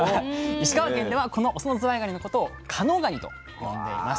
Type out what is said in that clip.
石川県ではこのオスのずわいがにのことを「加能がに」と呼んでいます。